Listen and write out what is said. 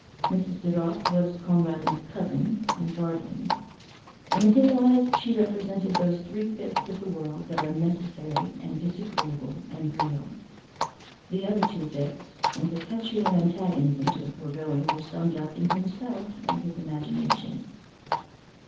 Mrs. De Ropp was Conradin's cousin and guardian, and in his eyes she represented those three fifths of the world that are necessary and disagreeable and real; the other two fifths, in perpetual antagonism to the foregoing, were summed up in himself and his imagination.